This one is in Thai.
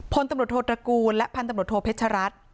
พลตำรวจโทรตระกูลและพลตำรวจโทรเพชรรัฐ